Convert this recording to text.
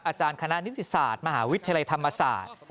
อาจารย์คณะนิติศาสตร์มหาวิทยาลัยธรรมศาสตร์